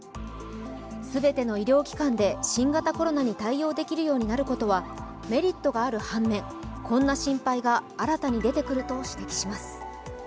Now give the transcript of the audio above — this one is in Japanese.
全ての医療機関で新型コロナに対応できるようになることはメリットがある反面、こんな心配が新たに出てくると指摘します。